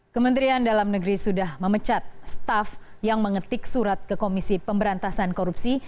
kementerian dalam negeri sudah memecat staff yang mengetik surat ke komisi pemberantasan korupsi